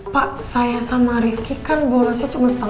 pak saya sama rifki kan bolasnya cuma setengah